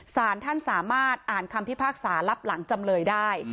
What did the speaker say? สารท่านสามารถอ่านคำพิพากษารับหลังจำเลยได้